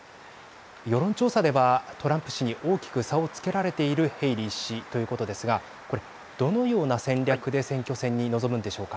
世論調査ではトランプ氏に大きく差をつけられているヘイリー氏ということですがこれ、どのような戦略で選挙戦に臨むんでしょうか。